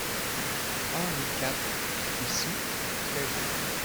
Henri quatre, ici, fut très-beau.